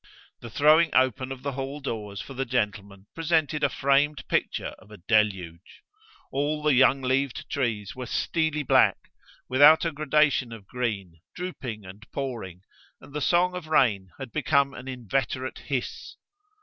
The throwing open of the hall doors for the gentlemen presented a framed picture of a deluge. All the young leaved trees were steely black, without a gradation of green, drooping and pouring, and the song of rain had become an inveterate hiss.